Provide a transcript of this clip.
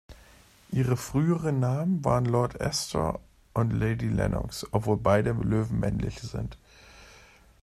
Ihre früheren Namen waren Lord Astor und Lady Lenox, obwohl beide Löwen männlich sind.